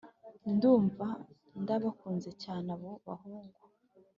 nkumva ndabakunze cyane abo bahungu